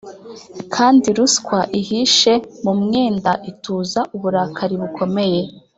kandi ruswa ihishe mu mwenda ituza uburakari bukomeye